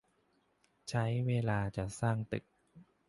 ใช้เวลาจะสร้างตึก